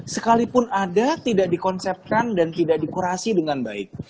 sekalipun ada tidak dikonsepkan dan tidak dikurasi dengan baik